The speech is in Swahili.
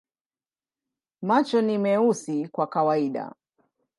Macho ni meusi kwa kawaida.